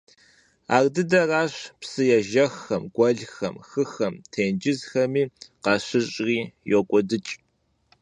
Ар дыдэращ псы ежэххэм, гуэлхэм, хыхэм, тенджызхэм къащыщӀри – йокӀуэдыкӀ.